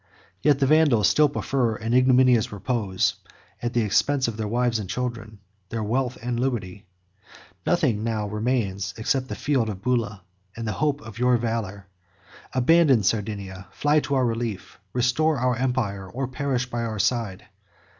Yet the Vandals still prefer an ignominious repose, at the expense of their wives and children, their wealth and liberty. Nothing now remains, except the fields of Bulla, and the hope of your valor. Abandon Sardinia; fly to our relief; restore our empire, or perish by our side."